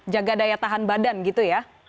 jaga daya tahan badan gitu ya